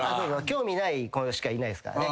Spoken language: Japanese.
興味ない子しかいないっすからね